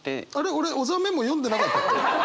俺小沢メモ読んでなかったっけ？